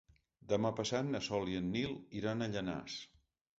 Demà passat na Sol i en Nil iran a Llanars.